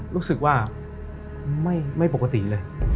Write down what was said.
รู้สึกว่าไม่ปกติเลย